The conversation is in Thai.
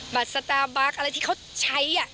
บัตรสตาร์บัคอะไรที่เค้าใช้อ่ะ